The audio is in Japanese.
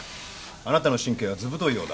あなたの神経はずぶといようだ。